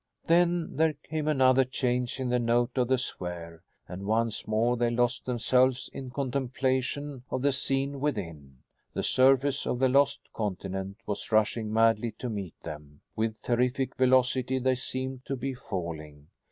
Then there came another change in the note of the sphere and once more they lost themselves in contemplation of the scene within. The surface of the lost continent was rushing madly to meet them. With terrific velocity they seemed to be falling.